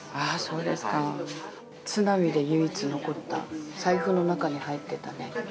あそうですか。津波で唯一残った財布の中に入ってたね